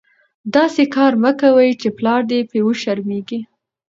داسي کار مه کوئ، چي پلار دي په وشرمېږي.